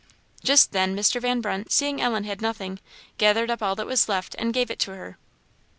Just then, Mr. Van Brunt, seeing Ellen had nothing, gathered up all that was left, and gave it to her.